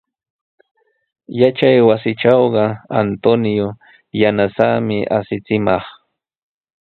Yachaywasitrawqa Antonio yanasaami asichimaq.